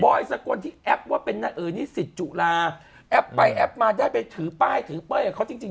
บอยสกลที่แอปว่าเป็นนาเอิญิศิจุราแอปไปแอปมาได้ไปถือป้ายถือเป้ยเขาจริง